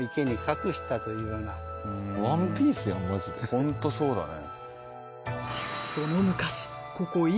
ホントそうだね。